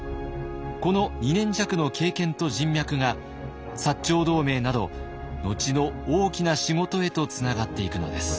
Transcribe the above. この２年弱の経験と人脈が長同盟など後の大きな仕事へとつながっていくのです。